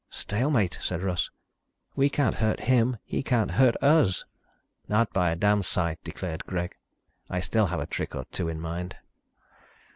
"Stalemate," said Russ. "We can't hurt him, he can't hurt us." "Not by a damn sight," declared Greg. "I still have a trick or two in mind."